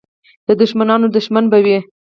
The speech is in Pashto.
د دښمنانو دښمن به وي.